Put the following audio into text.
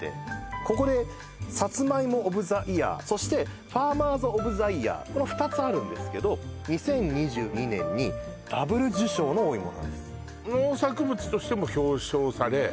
ここでさつまいも・オブ・ザ・イヤーそしてファーマーズ・オブ・ザ・イヤーこの２つあるんですけど２０２２年にそういうことですね